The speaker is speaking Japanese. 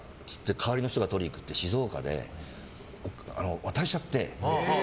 代わりの人が取りに行くって静岡で、渡しちゃって。